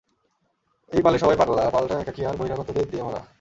এই পালের সবাই পাগলা, পালটা একাকী আর বহিরাগতদের দিয়ে ভরা।